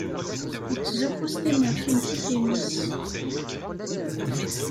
Yettzuxxu s timmeṛkantit-nnes.